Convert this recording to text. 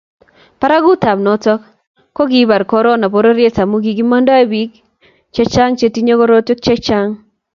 Barakutap noto ko kikobar korona pororiet amu kikomiando bik chechang chetinyei korotwek chechang